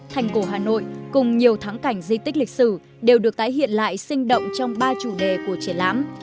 thành cổ hà nội cùng nhiều thắng cảnh di tích lịch sử đều được tái hiện lại sinh động trong ba chủ đề của triển lãm